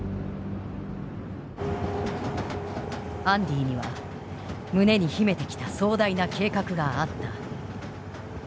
アンディには胸に秘めてきた壮大な計画があった。